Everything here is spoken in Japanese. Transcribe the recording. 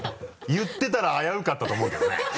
言ってたら危うかったと思うけどね。